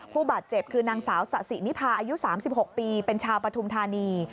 ผู้บาดเจ็บคือนางสาวสะสินิพาอายุ๓๖ปีเป็นชาวปฐุมธานี